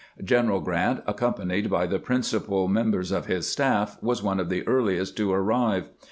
General Grant, accompanied by the principal mem bers of his staff, was one of the earliest to arrive.